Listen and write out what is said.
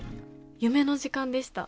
夢の時間でした。